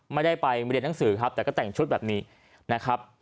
ไม่ได้ไปเรียนหนังสือครับแต่ก็แต่งชุดแบบนี้นะครับ